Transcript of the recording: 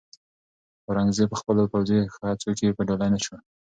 اورنګزېب په خپلو پوځي هڅو کې بریالی نه شو.